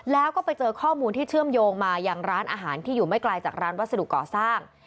แล้วก็ไปเจอข้อมูลที่เชื่อมโยงมาอย่างร้านอาหารที่อยู่ไม่ไกลจากร้านวัสดุก่อสร้าง